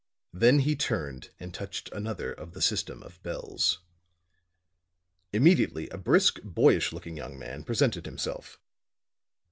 Then he turned and touched another of the system of bells. Immediately a brisk, boyish looking young man presented himself.